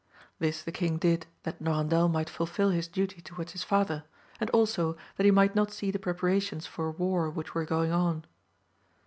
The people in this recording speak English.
This the king did that Noran* del might fulfil his duty towards his father, and also that he might not see the preparations for war which were going on.